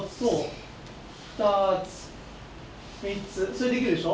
それできるでしょ？